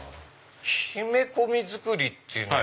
木目込み作りっていうのは？